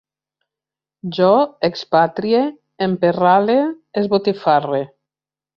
Jo expatrie, emparrale, esbotifarre